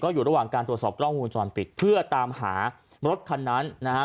อยู่ระหว่างการตรวจสอบกล้องวงจรปิดเพื่อตามหารถคันนั้นนะฮะ